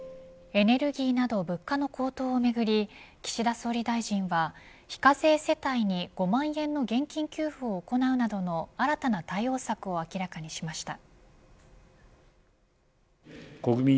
エネルギーなど物価の高騰をめぐり岸田総理大臣は非課税世帯に５万円の現金給付を行うなどの新たな対応策を明らかにしました。